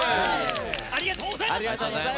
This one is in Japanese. ありがとうございます。